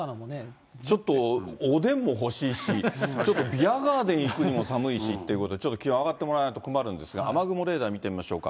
ちょっとおでんも欲しいし、ちょっとビヤガーデン行くにも寒いしってことで、ちょっと気温上がってもらわないと困るんですが、雨雲レーダー見てみましょう。